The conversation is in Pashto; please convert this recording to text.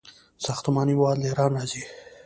ساختماني مواد له ایران راځي.